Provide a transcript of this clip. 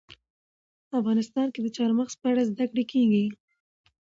افغانستان کې د چار مغز په اړه زده کړه کېږي.